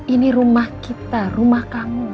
ini rumah kita rumah kamu